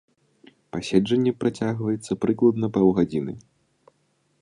Паседжанне працягваецца прыкладна паўгадзіны.